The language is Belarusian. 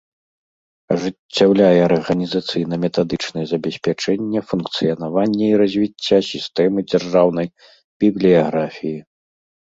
Ажыццяўляе арганiзацыйна-метадычнае забеспячэнне функцыянавання i развiцця сiстэмы дзяржаўнай бiблiяграфii.